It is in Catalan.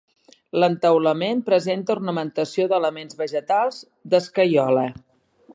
L'entaulament presenta ornamentació d'elements vegetals d'escaiola.